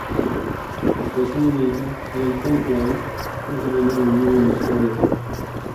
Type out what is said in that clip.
Hasta ese momento, era el cónclave más grande reunido en la historia.